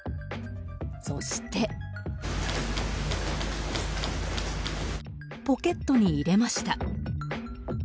そして、ポケットに入れました。